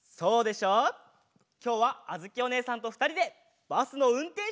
きょうはあづきおねえさんとふたりでバスのうんてんしゅをやるよ！